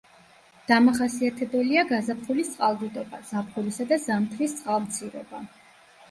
დამახასიათებელია გაზაფხულის წყალდიდობა, ზაფხულისა და ზამთრის წყალმცირობა.